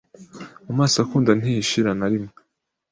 amaso akunda ntihishira na rimwe